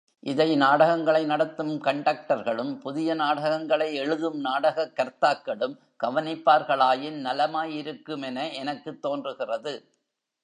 இதை நாடகங்களை நடத்தும் கண்டக்டர்களும், புதிய நாடகங்களை எழுதும் நாடகக் கர்த்தாக்களும் கவனிப்பார்களாயின் நலமாயிருக்குமென எனக்குத் தோன்றுகிறது.